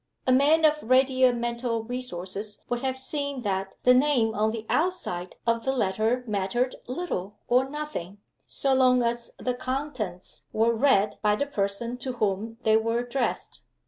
A man of readier mental resources would have seen that the name on the outside of the letter mattered little or nothing, so long as the contents were read by the person to whom they were addressed.